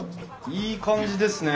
いい感じですね。